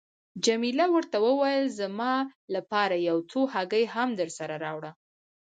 جميله ورته وویل: زما لپاره یو څو هګۍ هم درسره راوړه.